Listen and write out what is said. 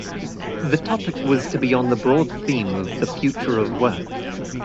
The topic was to be on the broad theme of the future of work.